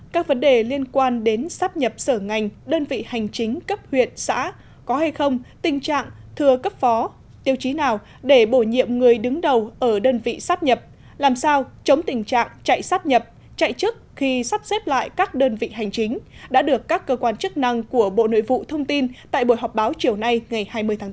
các vấn đề liên quan đến sắp nhập sở ngành đơn vị hành chính cấp huyện xã có hay không tình trạng thừa cấp phó tiêu chí nào để bổ nhiệm người đứng đầu ở đơn vị sắp nhập làm sao chống tình trạng chạy sắp nhập chạy chức khi sắp xếp lại các đơn vị hành chính đã được các cơ quan chức năng của bộ nội vụ thông tin tại buổi họp báo chiều nay ngày hai mươi tháng tám